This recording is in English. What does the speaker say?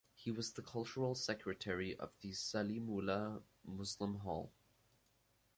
He was the cultural secretary of the Salimullah Muslim Hall.